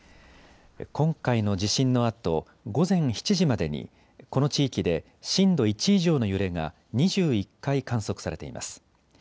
今回の地震のあと、午前７時までに、この地域で震度１以上の揺れが２１回観測されています。